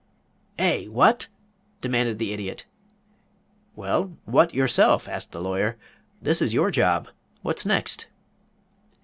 "Eh! What?" demanded the Idiot. "Well what yourself?" asked the Lawyer. "This is your job. What next?"